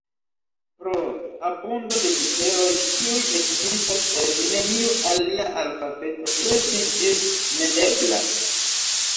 Pro abundo de literoj, kiuj ekzistas en neniu alia alfabeto, presi ĝin ne eblas.